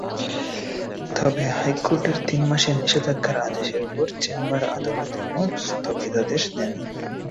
তবে হাইকোর্টের তিন মাসের নিষেধাজ্ঞার আদেশের ওপর চেম্বার আদালত কোনো স্থগিতাদেশ দেননি।